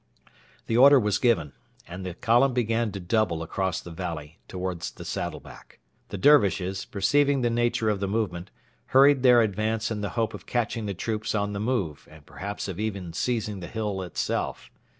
The order was given, and the column began to double across the valley towards the saddleback. The Dervishes, perceiving the nature of the movement, hurried their advance in the hope of catching the troops on the move and perhaps of even seizing the hill itself.